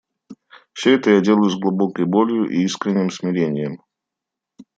Все это я делаю с глубокой болью и искренним смирением.